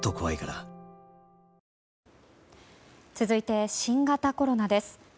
続いて新型コロナです。